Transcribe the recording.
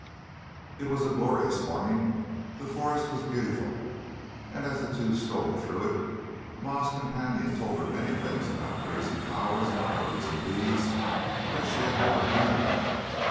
It was a glorious morning, the forest was beautiful, and as the two strolled through it Ma's companion told her many things about trees and flowers and birds and bees that she had never dreamed of.